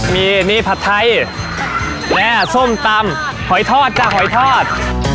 มีนี่ผัดไทยแม่ส้มตำหอยทอดจ้ะหอยทอด